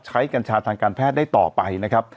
กัญชาทางการแพทย์ได้ต่อไปนะครับ